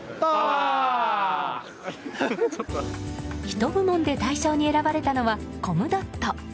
ヒト部門で大賞に選ばれたのはコムドット。